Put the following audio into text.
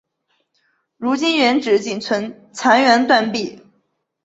如今原址仅存残垣断壁。